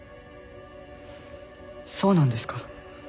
そうなんですか。